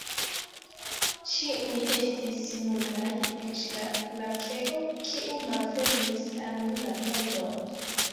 Ĉiuj estis nudaj, eĉ la lakeo, kiu malfermis al mi la pordon.